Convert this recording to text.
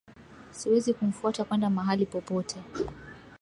Siwezi kumfuata kwenda mahali popote